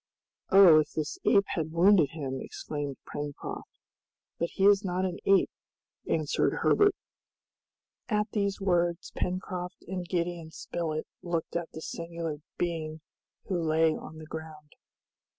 "Oh, if this ape had wounded him!" exclaimed Pencroft. "But he is not an ape," answered Herbert. At these words Pencroft and Gideon Spilett looked at the singular being who lay on the ground.